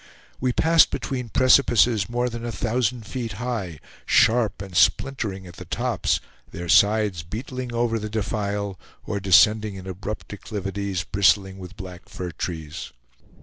We passed between precipices more than a thousand feet high, sharp and splintering at the tops, their sides beetling over the defile or descending in abrupt declivities, bristling with black fir trees.